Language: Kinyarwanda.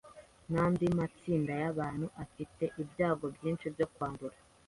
n'andi matsinda y'abantu afite ibyago byinshi byo kwandura.